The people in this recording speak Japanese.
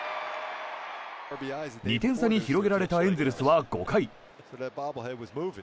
２点差に広げられたエンゼルスは５回。